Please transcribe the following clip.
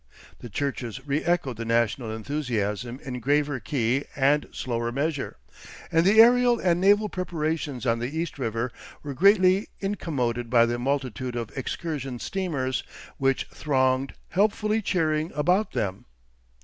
The churches re echoed the national enthusiasm in graver key and slower measure, and the aerial and naval preparations on the East River were greatly incommoded by the multitude of excursion steamers which thronged, helpfully cheering, about them.